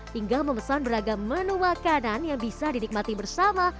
tinggal memesan beragam menu makanan yang bisa dinikmati bersama